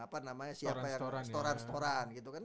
apa namanya siapa yang storan storan gitu kan